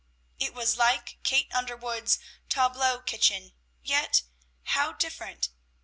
It was like Kate Underwood's "Tableau kitchen," yet how different!